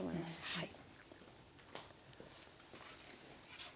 はい。